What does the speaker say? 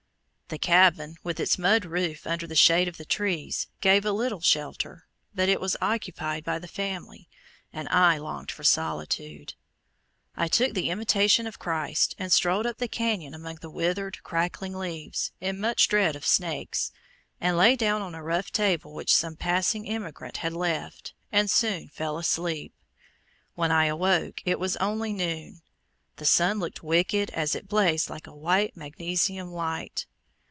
The cabin, with its mud roof under the shade of the trees, gave a little shelter, but it was occupied by the family, and I longed for solitude. I took the Imitation of Christ, and strolled up the canyon among the withered, crackling leaves, in much dread of snakes, and lay down on a rough table which some passing emigrant had left, and soon fell asleep. When I awoke it was only noon. The sun looked wicked as it blazed like a white magnesium light.